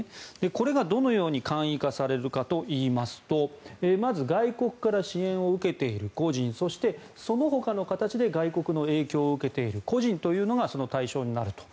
これがどのように簡易化されるかといいますとまず、外国から支援を受けている個人そして、そのほかの形で外国の影響を受けている個人というのがその対象になると。